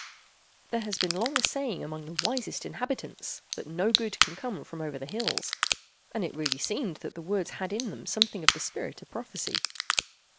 There has been long a saying among the wisest inhabitants, that "no good can come from over the hills"; and it really seemed that the words had in them something of the spirit of prophecy.